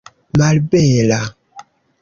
malbela